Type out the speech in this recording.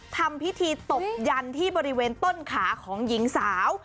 ทำพิธีตบยันที่บริเวณต้นขาของหญิงสาว